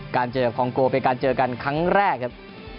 เจอกับคองโกเป็นการเจอกันครั้งแรกครับ